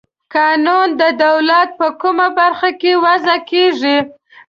قانون د دولت په کومه برخه کې وضع کیږي؟